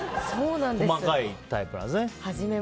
細かいタイプなんですね。